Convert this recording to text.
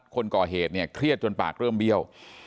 คนก่อเหตุเนี่ยเครียดจนปากเริ่มเบี้ยว